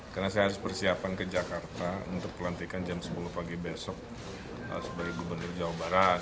karena saya harus persiapan ke jakarta untuk pelantikan jam sepuluh pagi besok sebagai gubernur jawa barat